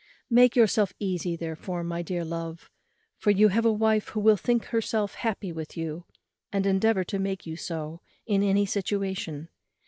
Make yourself easy, therefore, my dear love; for you have a wife who will think herself happy with you, and endeavour to make you so, in any situation.